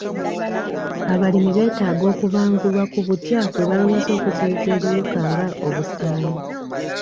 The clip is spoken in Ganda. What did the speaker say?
Abalimi beetaaga okubangulwa ku butya bwe bayinza okuziiyiza ebiwuka nga obusaanyi.